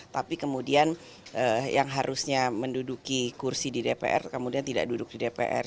tapi kemudian yang harusnya menduduki kursi di dpr kemudian tidak duduk di dpr